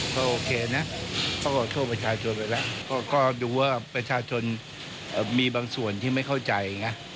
ก็โอเคนะก็ขอโทษประชาชนไปแล้วก็ดูว่าประชาชนมีบางส่วนที่ไม่เข้าใจนะ